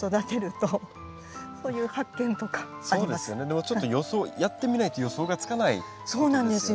でもちょっとやってみないと予想がつかないってことですよね。